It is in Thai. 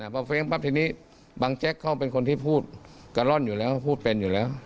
พอเฟ้งปั๊บทีนี้บังแจ๊กเขาเป็นคนที่พูดกะล่อนอยู่แล้วเขาพูดเป็นอยู่แล้ว